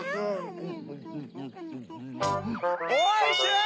おいしい！